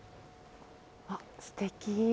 あっ、すてき。